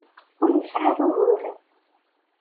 Ur nesɛi ara uguren.